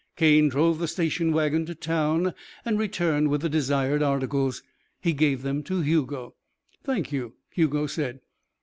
Cane drove the station wagon to town and returned with the desired articles. He gave them to Hugo. "Thank you," Hugo said.